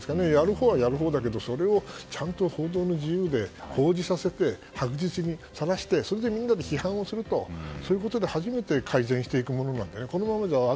ほうはやるほうだけどそれをちゃんと報道の自由で報じさせて、白日にさらしてそれでみんなで批判をすることで初めて改善していくものなのでこのままじゃ悪